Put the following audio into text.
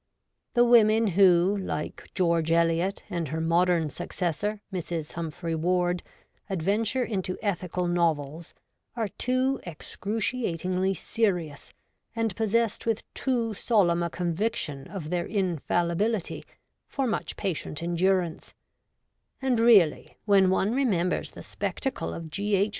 The women who, like George Eliot, and her modern successor, Mrs. Humphry Ward, adventure into ethical novels, are too excruciatingly serious and possessed with too solemn a conviction of their infallibility for much patient endurance ; and really, when one remembers the spectacle of G. H.